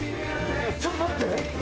ちょっと待って。